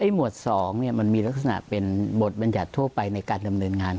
หมวด๒มันมีลักษณะเป็นบทบัญญัติทั่วไปในการดำเนินงาน